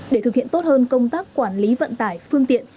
để thực hiện tốt hơn công tác quản lý vận tải phương tiện